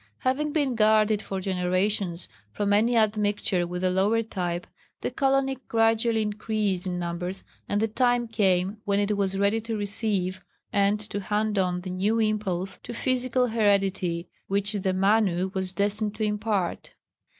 Having been guarded for generations from any admixture with a lower type, the colony gradually increased in numbers, and the time came when it was ready to receive and to hand on the new impulse to physical heredity which the Manu was destined to impart.